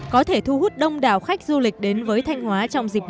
có thể thu hút đông đảo khách du lịch đến với thanh hóa trong dịp này